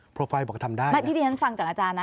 โปรไฟล์บอกทำได้ไม่ที่ดิฉันฟังจากอาจารย์นะ